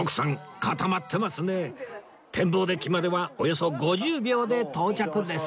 天望デッキまではおよそ５０秒で到着です